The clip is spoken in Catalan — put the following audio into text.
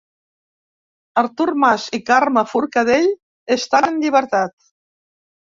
Artur Mas i Carme Forcadell estan en llibertat